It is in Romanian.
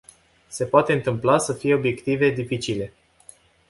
Se poate întâmpla să fie obiective dificile.